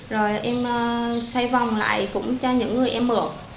rồi em xoay vòng lại cũng cho những người em mượn